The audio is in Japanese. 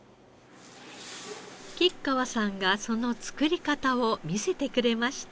吉川さんがその作り方を見せてくれました。